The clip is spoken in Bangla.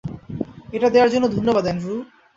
এটা দেয়ার জন্য ধন্যবাদ, অ্যান্ড্রু।